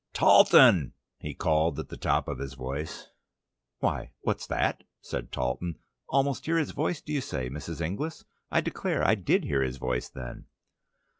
"Talton!" he called at the top of his voice. "Why, what's that?" said Talton. "Almost hear his voice, do you say, Mrs. Inglis? I declare I did hear his voice then."